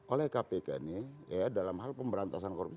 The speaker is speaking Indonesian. oleh kpk ini dalam hal pemberantasan korupsi